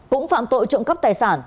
cũng phạm tội trộm cắp tài sản